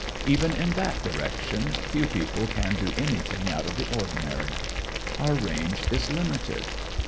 "Even in that direction, few people can do anything out of the ordinary. Our range is limited.